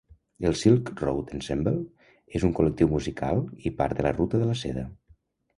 El Silk Road Ensemble és un col·lectiu musical i part de la ruta de la seda.